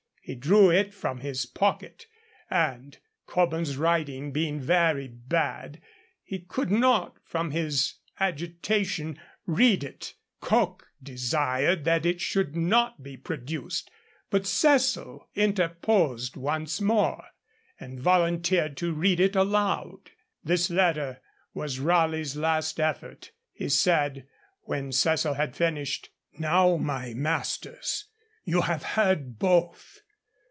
He drew it from his pocket, and, Cobham's writing being very bad, he could not, from his agitation, read it; Coke desired that it should not be produced, but Cecil interposed once more, and volunteered to read it aloud. This letter was Raleigh's last effort. He said, when Cecil had finished, 'Now, my masters, you have heard both.